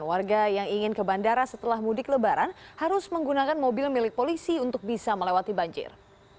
warga yang ingin ke bandara setelah mudik lebaran harus menggunakan mobil milik polisi untuk bisa melewati banjir